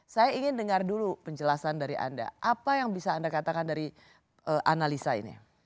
saya ingin dengar dulu penjelasan dari anda apa yang bisa anda katakan dari analisa ini